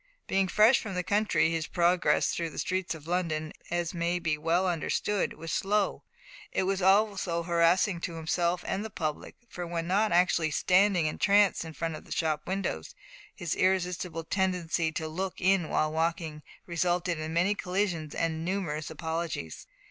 Being fresh from the country, his progress through the streets of London, as may be well understood, was slow. It was also harassing to himself and the public, for when not actually standing entranced in front of shop windows his irresistible tendency to look in while walking resulted in many collisions and numerous apologies.